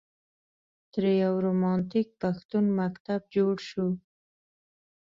ترې یو رومانتیک پښتون مکتب جوړ شو.